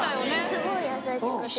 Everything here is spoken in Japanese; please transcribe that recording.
すごい優しくて。